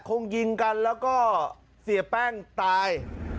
คงยิงกันแล้วก็เสียแป้งตาย